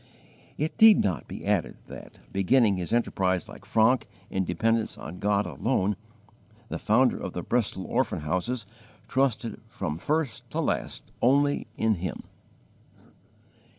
It need not be added that, beginning his enterprise like Francke in dependence on God alone, the founder of the Bristol Orphan Houses trusted from first to last only in Him.